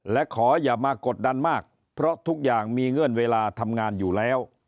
และขออย่ามากดดันมากเพราะทุกอย่างมีเงื่อนเวลาทำงานอยู่แล้ว